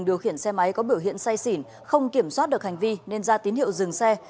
điều khiển xe máy có biểu hiện say xỉn không kiểm soát được hành vi nên ra tín hiệu dừng xe